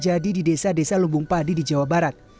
terjadi di desa desa lubung padi di jawa barat